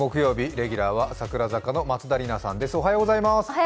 レギュラーは櫻坂の松田里奈さんです。